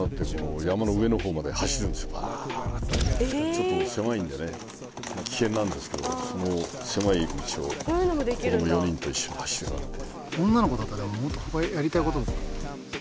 ちょっと狭いんでね危険なんですけどその狭い道を子供４人と一緒に走り回って。